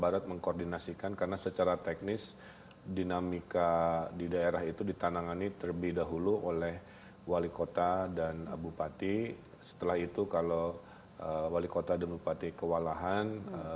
ratusan warga komplek ini memulai memandati posko kesehatan di aula kantor desa setempat